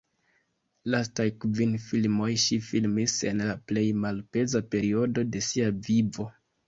Lastaj kvin filmoj ŝi filmis en la plej malpeza periodo de sia vivo.